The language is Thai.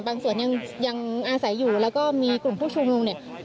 สวนยังอาศัยอยู่แล้วก็มีกลุ่มผู้ชุมนุมเนี่ย